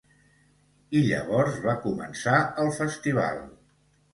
I llavors va començar el festival.